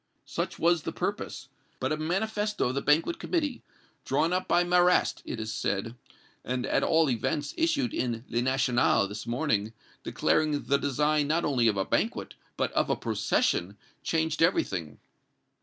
"Such was the purpose, but a manifesto of the Banquet Committee, drawn up by Marrast, it is said, and, at all events, issued in 'Le National' this morning, declaring the design not only of a banquet, but of a procession, changed everything.